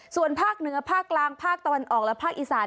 ส่วนภาคเหนือภาคกลางภาคตะวันออกและภาคอีสาน